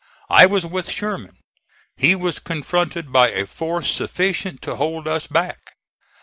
I was with Sherman. He was confronted by a force sufficient to hold us back.